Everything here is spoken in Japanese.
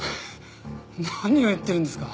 何を言ってるんですか？